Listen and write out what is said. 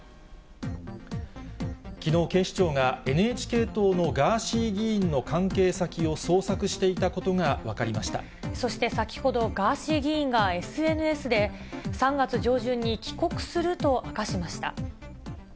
きのう、警視庁がＮＨＫ党のガーシー議員の関係先を捜索していたことが分そして、先ほど、ガーシー議員がＳＮＳで、３月上旬に帰国すると明かしました。